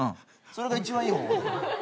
それが一番いい方法。